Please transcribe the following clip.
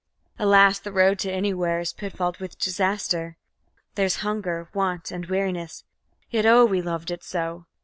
Alas! the road to Anywhere is pitfalled with disaster; There's hunger, want, and weariness, yet O we loved it so!